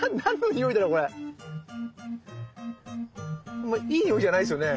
あんまりいいにおいじゃないっすよね。